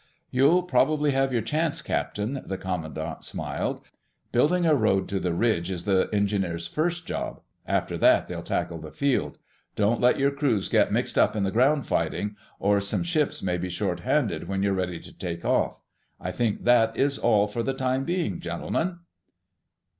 "You'll probably have your chance, Captain," the commandant smiled. "Building a road to the Ridge is the engineers' first job; after that they'll tackle the field. Don't let your crews get mixed up in the ground fighting, or some ships may be short handed when you're ready to take off.... I think that is all for the time being, gentlemen."